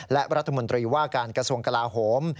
และรัฐมนตรีว่าการกระทรวงกลาโหม